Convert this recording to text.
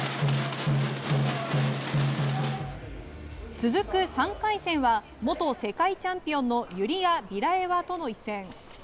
続く３回戦は元世界チャンピオンのユリア・ビラエワとの一戦。